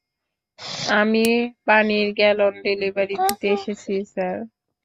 আমি পানির gallon delivery দিতে এসেছি, স্যার।